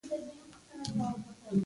زما ګرانه زویه ته به څومره ځنډېږې.